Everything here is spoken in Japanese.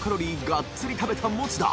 がっつり食べた餅田祺